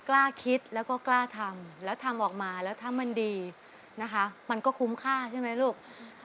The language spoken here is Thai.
กล้าคิดแล้วก็กล้าทำแล้วทำออกมาแล้วถ้ามันดีนะคะมันก็คุ้มค่าใช่ไหมลูก